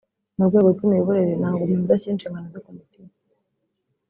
Mu rwego rw’imiyoborere nanga umuntu udashyira inshingano ze ku mutima